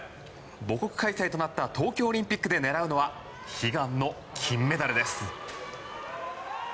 母国開催となった東京オリンピックで狙うのは悲願の金メダルです。